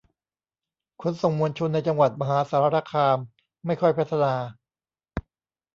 ขนส่งมวลชนในจังหวัดมหาสารคามไม่ค่อยพัฒนา